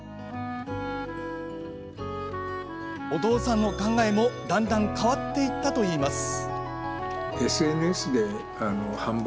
お父さんの考えもだんだんと変わっていったといいます。